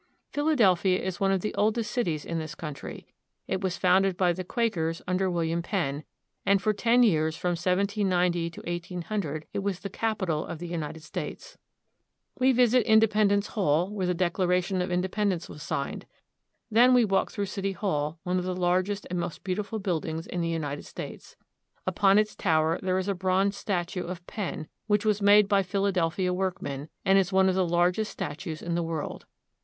Philadelphia is one of the oldest cities in this country ; it was founded by the Quakers under William Penn ; and for ten years, from 1790 to 1800, it was the capital of the United States. I^m 1 City Hall, Philadelphia. We visit Independence Hall, where the Declaration of Independence was signed. Then we walk through the city hall, one of the largest and most beautiful buildings in FRANKLIN — THE MINT. 53 the United States. Upon its tower there is a bronze statue of Penn which was made by Philadelphia workmen, and is one of the largest statues in the world.